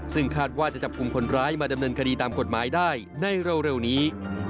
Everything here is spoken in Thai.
ซึ่งคาดว่าจะจับกลุ่มคนร้ายมาดำเนินคดีตามกฎหมายได้ในเร็วนี้